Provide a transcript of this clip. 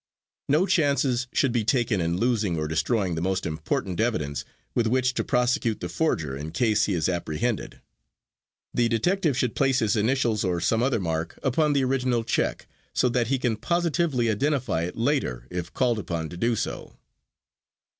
No chances should be taken in losing or destroying the most important evidence with which to prosecute the forger in case he is apprehended. The detective should place his initials or some other mark upon the original check so that he can positively identify it later if called upon to do so.